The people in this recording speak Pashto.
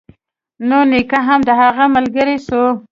نو نيکه هم د هغه ملگرى سو.